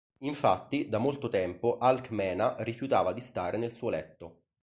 Infatti, da molto tempo Alcmena rifiutava di stare nel suo letto.